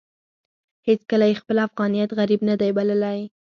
هېڅکله يې خپل افغانيت غريب نه دی بللی.